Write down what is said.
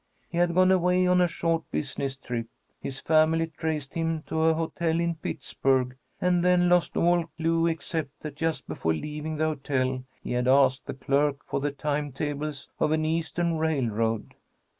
He had gone away on a short business trip. His family traced him to a hotel in Pittsburg, and then lost all clue, except that just before leaving the hotel he had asked the clerk for the time tables of an Eastern railroad.